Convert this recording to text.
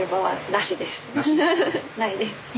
ないです。